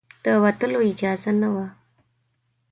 د وتلو اجازه نه وه.